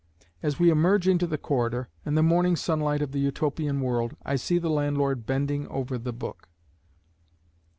As we emerge into the corridor, and the morning sunlight of the Utopian world, I see the landlord bending over the book.